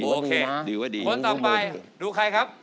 โอเคคนต่อไปดูใครครับ